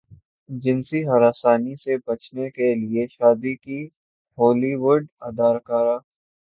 جنسی ہراسانی سے بچنے کیلئے شادی کی ہولی وڈ اداکارہ